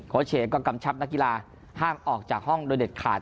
เชฟก็กำชับนักกีฬาห้ามออกจากห้องโดยเด็ดขาด